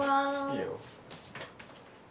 いいよ。